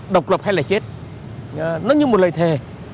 độc lập hay là chết nó như một lời thề